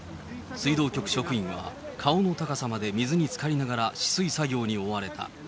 水道局職員は顔の高さまで水につかりながら、止水作業に追われた。